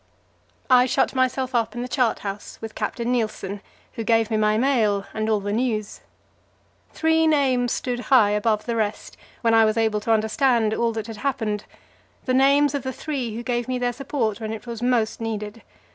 I shut myself up in the chart house with Captain Nilsen, who gave me my mail and all the news. Three names stood high above the rest, when I was able to understand all that had happened the names of the three who gave me their support when it was most needed.